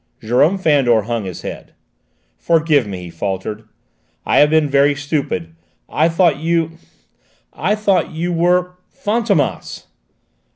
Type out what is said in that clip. Jérôme Fandor hung his head. "Forgive me," he faltered; "I have been very stupid. I thought you I thought you were Fantômas!"